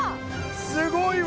すごいわ！